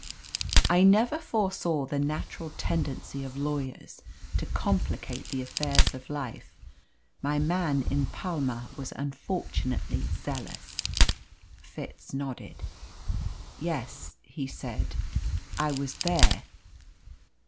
"I never foresaw the natural tendency of lawyers to complicate the affairs of life. My man in Palma was unfortunately zealous." Fitz nodded. "Yes," he said, "I was there."